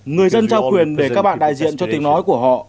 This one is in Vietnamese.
người dân trao quyền để các bạn đại diện cho tiếng nói của họ